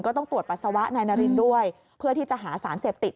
ต้องตรวจปัสสาวะนายนารินด้วยเพื่อที่จะหาสารเสพติด